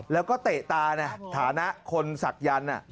แล้วก็เตะตานะฮะฐานะคนศักยันทร์อ่ะ